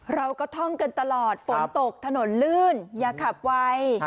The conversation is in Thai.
เราก็ท่องกันตลอดฝนตกถนนลื่นอย่าขับไว